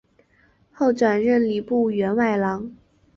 后转任礼部员外郎。